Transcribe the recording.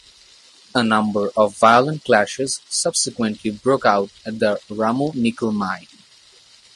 A number of violent clashes subsequently broke out at the Ramu nickel mine.